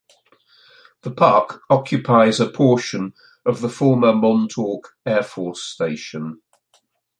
The park occupies a portion of the former Montauk Air Force Station.